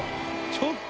ちょっと」